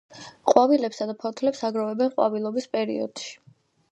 ყვავილებსა და ფოთლებს აგროვებენ ყვავილობის პერიოდში.